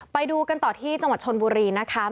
ไปดูกันต่อที่จังหวัดชนบุรีนะคะ